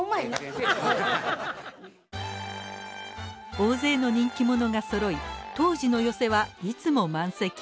大勢の人気者がそろい当時の寄席はいつも満席。